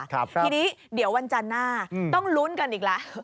ทีนี้เดี๋ยววันจันทร์หน้าต้องลุ้นกันอีกแล้ว